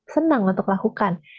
senang untuk lakukan